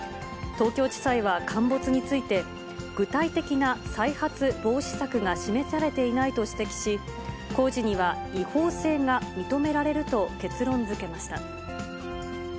東京地裁は陥没について、具体的な再発防止策が示されていないと指摘し、工事には違法性が認められると結論づけました。